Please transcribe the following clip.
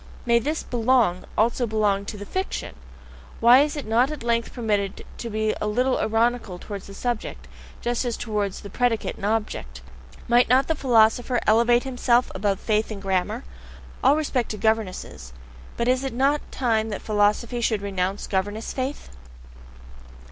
May not this "belong" also belong to the fiction? Is it not at length permitted to be a little ironical towards the subject, just as towards the predicate and object? Might not the philosopher elevate himself above faith in grammar? All respect to governesses, but is it not time that philosophy should renounce governess faith?